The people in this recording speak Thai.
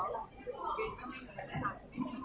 เวลาแรกพี่เห็นแวว